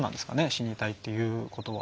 死にたいって言うことは。